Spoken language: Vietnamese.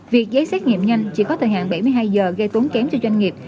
việc giấy xét nghiệm nhanh chỉ có thời hạn bảy mươi hai giờ gây tốn kém cho doanh nghiệp